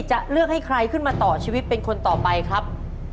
จะเลือกให้ใครขึ้นมาต่อชีวิตเป็นคนต่อไปครับ